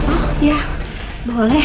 oh ya boleh